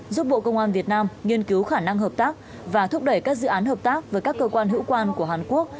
giúp bộ công an việt nam nghiên cứu khả năng hợp tác và thúc đẩy các dự án hợp tác với các cơ quan hữu quan của hàn quốc